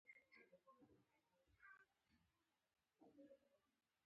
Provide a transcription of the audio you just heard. د مرمر او روغتون بوی ترې راته.